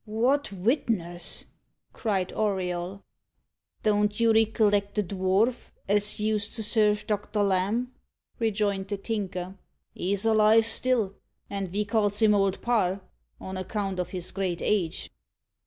"What witness?" cried Auriol. "Don't you reckilect the dwarf as used to serve Doctor Lamb?" rejoined the Tinker. "He's alive still; and ve calls him Old Parr, on account of his great age."